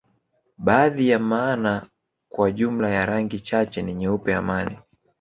Baadhi ya maana kwa jumla ya rangi chache ni nyeupe amani